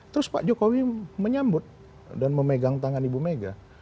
terus pak jokowi menyambut dan memegang tangan ibu mega